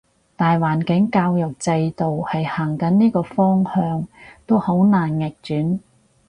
大環境教育制度係行緊呢個方向，都好難逆轉